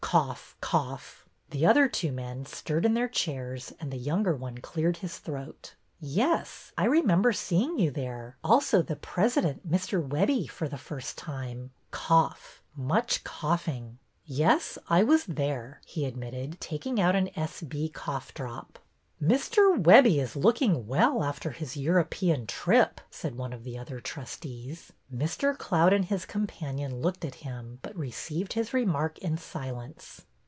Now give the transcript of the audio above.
Cough, cough. The other two men stirred in their chairs and the younger one cleared his throat. '' Yes, I remember seeing you there. Also the president, Mr. Webbie, for the first time." Cough, much coughing. '' Yes, I was there," he admitted, taking out an S.B. coughdrop. '' Mr. Webbie is looking well after his Euro pean trip," said one of the other trustees. Mr. Cloud and his companion looked at him but re ceived his remark in silence.